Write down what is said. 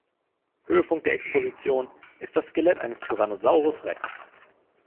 Höhepunkt der Exposition ist das Skelett eines Tyrannosaurus Rex.